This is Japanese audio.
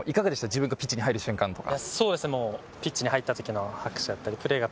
自分がピッチに入る瞬間とか。